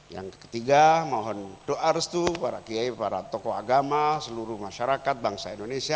yang ketiga mohon doa restu para kiai para tokoh agama seluruh masyarakat bangsa indonesia